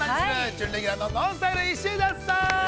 準レギュラーのＮＯＮＳＴＹＬＥ・石田さん。